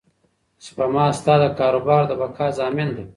سپما ستا د کاروبار د بقا ضامن ده.